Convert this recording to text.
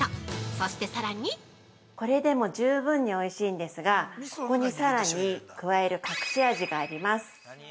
そしてさらに◆これでも十分においしいんですがここにさらに加える隠し味があります。